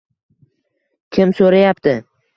Kim so’rayapti?